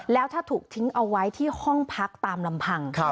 แล้วถ้าถูกทิ้งเอาไว้ที่ห้องพักตามลำพัง